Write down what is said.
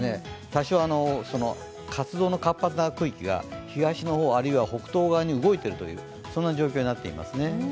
多少、活動の活発な区域が東の方あるいは北東側に動いているという状況になっていますね。